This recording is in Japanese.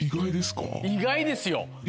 意外ですよ。